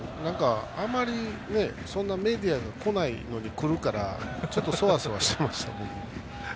あまりそんなメディアが来ないのに来るから、ソワソワしてましたね。